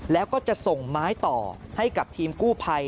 แล้วก็จะส่งไม้ต่อให้กับทีมกู้ภัย